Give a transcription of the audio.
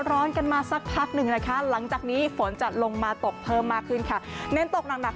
ร้อนกันมาสักพักหนึ่งนะคะหลังจากนี้ฝนจะลงมาตกเพิ่มมากขึ้นค่ะเน้นตกหนัก